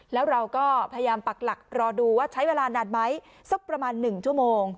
แล้วเราก็พยายามปักหลักรอดูว่าใช้เวลานานไหมสักประมาณ๑ชั่วโมง